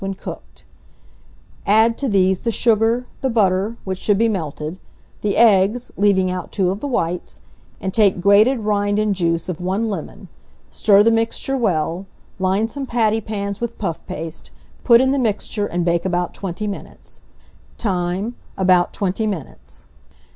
when cooked; add to these the sugar, the butter, which should be melted; the eggs, leaving out 2 of the whites, and take grated rind and juice of 1 lemon; stir the mixture well; line some patty pans with puff paste, put in the mixture, and bake about 20 minutes. Time. About 20 minutes.